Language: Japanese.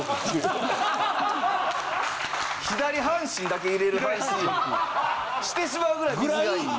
左半身だけ入れる半身浴してしまうぐらい水がいい。